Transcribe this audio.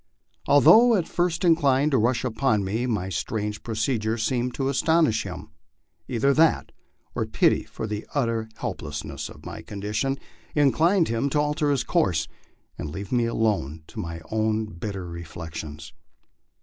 Although at first inclined to rush upon me, my strange procedure seemed to astonish him. Either that, or pity for the utter helplessness of my condition, inclined him to alter his course and leave me alone to my own bitter reflections.